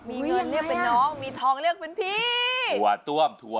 มีเงินเลือกเป็นน้องมีทองเลือกเป็นพี่ยังไงอ่ะ